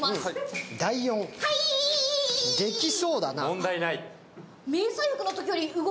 問題ない。